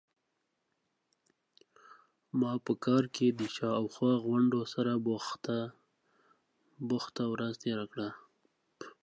ما په کار کې د شا او خوا غونډو سره بوخته ورځ تیره کړه.